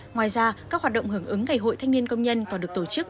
ngoài ra các hoạt động hưởng ứng ngày hội thanh niên công nhân còn được tổ chức